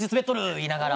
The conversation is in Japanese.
言いながら。